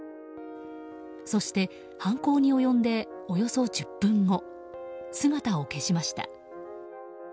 そして犯行に及んでおよそ１０分後、姿を消しました。